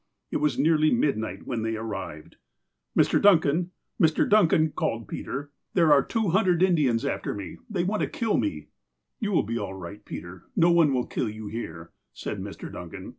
It was nearly midnight when they arrived. "Mr. Duncan, Mr. Duncan," called Peter, "there FEOM JUDGE DUNCAN'S DOCKET 211 are two hiiudred Indians after me. They want to kill me." '' You will be all right, Peter. No one will kill you here," said Mr. Duncan.